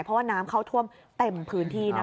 เพราะว่าน้ำเข้าท่วมเต็มพื้นที่นะคะ